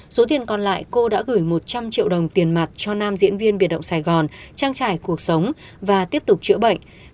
số tiền còn lại cô đã gửi một trăm linh triệu đồng tiền mặt cho nam diễn viên biệt động sài gòn trang trải cuộc sống và tiếp tục chữa bệnh